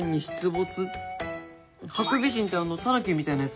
ハクビシンってあのたぬきみたいなやつ？